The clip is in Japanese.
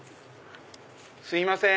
すいません！